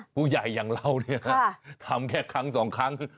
ผู้ใหญ่อย่างเราเนี่ยทำแค่ครั้งสองครั้ง